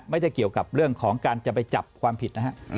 ไม่ได้เกี่ยวกับเรื่องของการจะไปจับความผิดนะฮะ